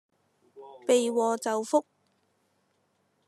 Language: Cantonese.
避禍就福